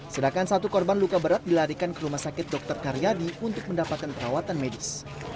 sedangkan satu korban luka berat dilarikan ke rumah sakit dr karyadi untuk mendapatkan perawatan medis